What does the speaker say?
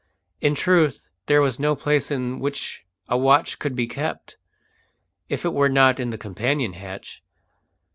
In truth, there was no place in which a watch could be kept, if it were not in the companion hatch.